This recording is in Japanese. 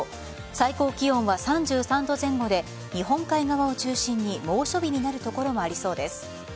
最高気温は３３度前後で日本海側を中心に猛暑日になる所がありそうです。